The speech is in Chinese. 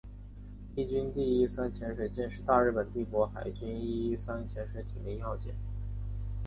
伊号第一三潜水舰是大日本帝国海军伊一三型潜水艇的一号舰。